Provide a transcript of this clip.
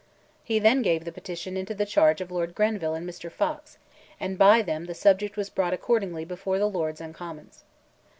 He then gave the petition into the charge of Lord Grenville and Mr. Fox, and by them the subject was brought accordingly before the Lords and Commons.